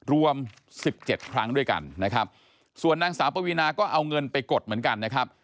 รวมสิบเจ็ดครั้งด้วยกันนะครับส่วนนางสาวปวีนาก็เอาเงินไปกดเหมือนกันนะครับ